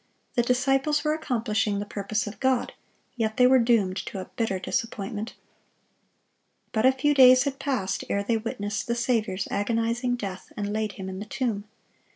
The disciples were accomplishing the purpose of God; yet they were doomed to a bitter disappointment. But a few days had passed ere they witnessed the Saviour's agonizing death, and laid Him in the tomb.